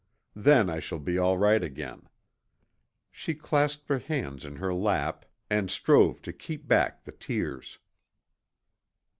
Then I shall be all right again." She clasped her hands in her lap and strove to keep back the tears.